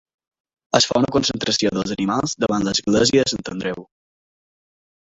Es fa una concentració dels animals davant de l'església de Sant Andreu.